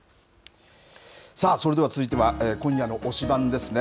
さあ、それでは続いては今夜の推しバン！ですね。